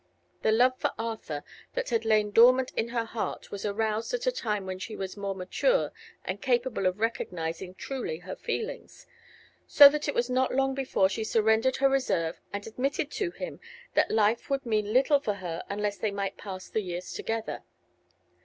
The love for Arthur that had lain dormant in her heart was aroused at a time when she was more mature and capable of recognizing truly her feelings, so that it was not long before she surrendered her reserve and admitted to him that life would mean little for her unless they might pass the years together.